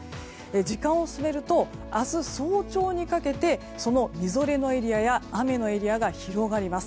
時間を進めると明日早朝にかけてそのみぞれのエリアや雨のエリアが広がります。